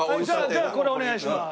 じゃあこれお願いします。